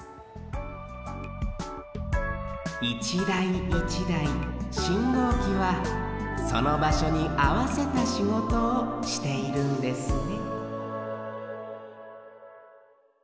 １だい１だい信号機はそのばしょにあわせたしごとをしているんですね